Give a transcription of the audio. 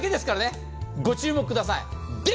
ご注目ください！